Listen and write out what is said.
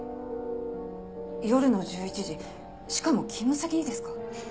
夜の１１時しかも勤務先にですか？